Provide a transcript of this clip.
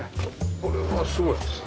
これすごいですね。